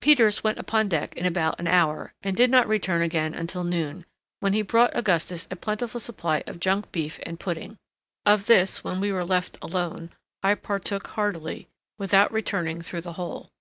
Peters went upon deck in about an hour, and did not return again until noon, when he brought Augustus a plentiful supply of junk beef and pudding. Of this, when we were left alone, I partook heartily, without returning through the hole.